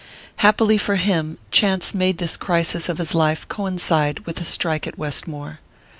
Happily for him, chance made this crisis of his life coincide with a strike at Westmore.